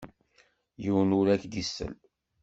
Yiwen ur ak-d-isell.